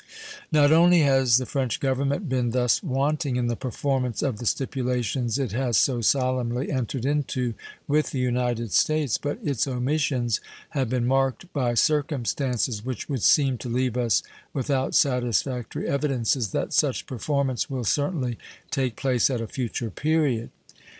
Not only has the French Government been thus wanting in the performance of the stipulations it has so solemnly entered into with the United States, but its omissions have been marked by circumstances which would seem to leave us without satisfactory evidences that such performance will certainly take place at a future period.